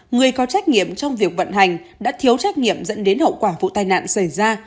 người có trách nhiệm trong việc vận hành đã thiếu trách nhiệm dẫn đến hậu quả vụ tai nạn xảy ra